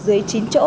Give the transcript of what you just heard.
dưới chín chỗ